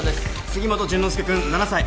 杉本淳之介君７歳。